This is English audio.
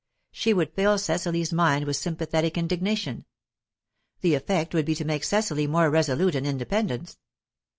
She would fill Cecily's mind with sympathetic indignation; the effect would be to make Cecily more resolute in independence.